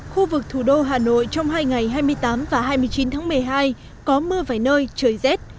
khu vực thủ đô hà nội trong hai ngày hai mươi tám và hai mươi chín tháng một mươi hai có mưa vài nơi trời rét